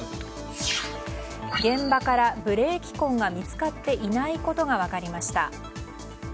現場からブレーキ痕が見つかっていないことが分かりました。